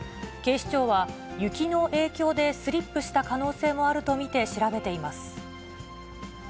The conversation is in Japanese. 警視庁は、雪の影響でスリップした可能性もあると見て、調べています。